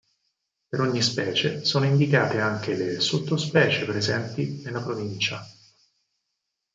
Per ogni specie sono indicate anche le sottospecie presenti nella provincia.